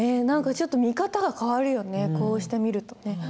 何かちょっと見方が変わるよねこうして見るとね。